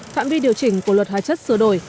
phạm vi điều chỉnh của luật hóa chất sửa đổi